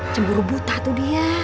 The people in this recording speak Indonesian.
cemburu buta tuh dia